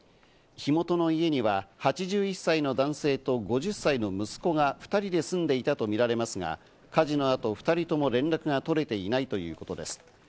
火元の家には８１歳の男性と５０歳の息子が２人で住んでいたとみられますが、火事のあと２人とも連絡が取れていないということです。